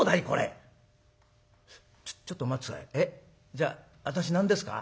じゃあ私何ですか？